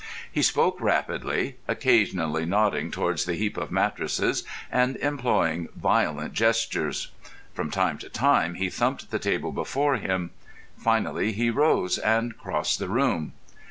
He spoke rapidly, occasionally nodding towards the heap of mattresses and employing violent gestures. From time to time he thumped the table before him. Finally he rose and crossed the room.